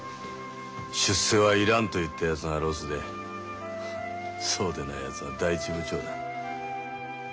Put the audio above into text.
出世はいらんと言ったやつがロスでそうでないやつは第一部長だ。